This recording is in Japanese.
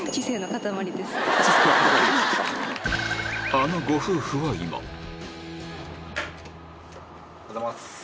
あのご夫婦は今おはようございます。